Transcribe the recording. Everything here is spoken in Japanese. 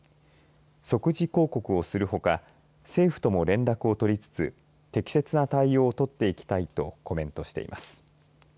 即時抗告をするほか政府とも連絡を取りつつ適切な対応を取っていきたいとコメントしています。